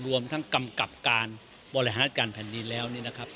รวมทั้งกำกับการบริหารรัฐการณ์แผ่นดีแล้ว